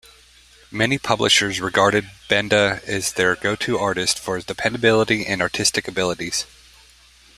Many publishers regarded Benda as their go-to artist for his dependability and artistic abilities.